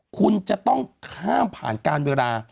คุณจะต้องข้ามผ่านการเวลา